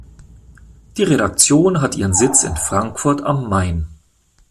Die Redaktion hat ihren Sitz in Frankfurt am Main.